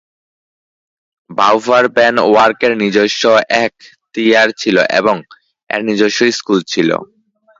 ব্লাউফারবেনওয়ার্কের নিজস্ব এখতিয়ার ছিল এবং এর নিজস্ব স্কুল ছিল।